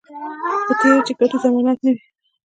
په تېره چې ګټې ضمانت نه وي